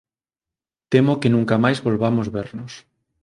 Temo que nunca máis volvamos vernos.